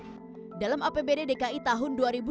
menjadi salah satu prioritas pemerintah provinsi dki jakarta